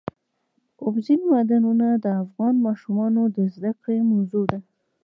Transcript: اوبزین معدنونه د افغان ماشومانو د زده کړې موضوع ده.